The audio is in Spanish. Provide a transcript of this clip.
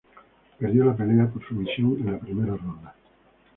Perdió la pelea por sumisión en la primera ronda.